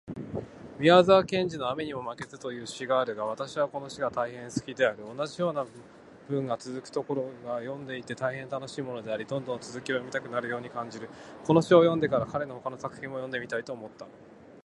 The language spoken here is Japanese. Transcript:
宮沢賢治のアメニモマケズという詩があるが私はこの詩が大変好きである。同じような文がつづくところが読んでいて大変楽しいものであり、どんどん続きを読みたくなるように感じる。この詩を読んでから、彼の他の作品も読んでみたいと思った。